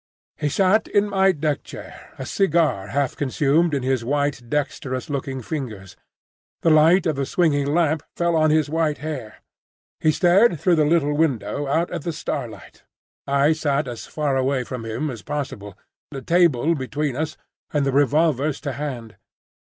He sat in my deck chair, a cigar half consumed in his white, dexterous looking fingers. The light of the swinging lamp fell on his white hair; he stared through the little window out at the starlight. I sat as far away from him as possible, the table between us and the revolvers to hand.